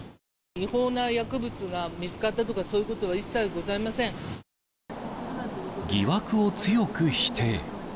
違法な薬物が見つかったとか、疑惑を強く否定。